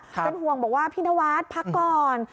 เป็นห่วงบอกว่าพี่นวัดพักก่อน